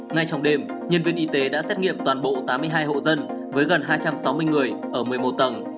ngay trong đêm nhân viên y tế đã xét nghiệm toàn bộ tám mươi hai hộ dân với gần hai trăm sáu mươi người ở một mươi một tầng